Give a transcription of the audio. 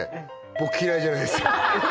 僕嫌いじゃないですよ